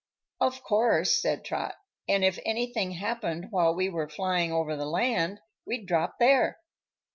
"Of course," said Trot; "and if anything happened while we were flyin' over the land we'd drop there.